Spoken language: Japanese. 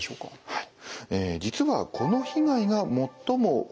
はい。